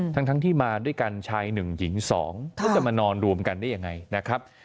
ทั้งที่มาด้วยกันชาย๑หญิง๒เขาจะมานอนรวมกันได้ยังไงนะครับ